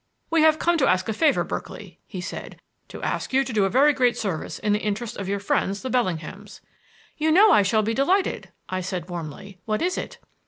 "We have come to ask a favor, Berkeley," he said; "to ask you to do us a very great service in the interests of your friends the Bellinghams." "You know I shall be delighted," I said warmly. "What is it?"